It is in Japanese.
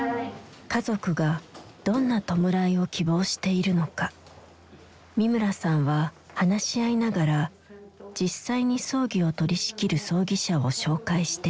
家族がどんな弔いを希望しているのか三村さんは話し合いながら実際に葬儀を取りしきる葬儀社を紹介していく。